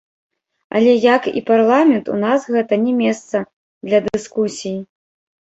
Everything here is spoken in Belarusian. Але як і парламент, у нас гэта не месца для дыскусій.